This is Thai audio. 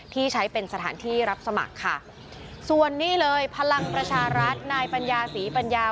ที่ใช้เป็นสถานที่รับสมัครค่ะส่วนนี้เลยพลังประชารัฐนายปัญญาศรีปัญญา